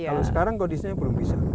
kalau sekarang kondisinya belum bisa